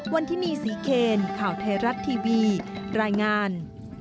วันที่มีศรีเคนข่าวไทยรัฐทีวีรายงาน